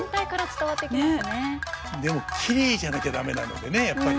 でもきれいじゃなきゃ駄目なのでねやっぱり。